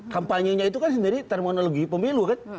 kampanye itu sendiri terminologi pemilu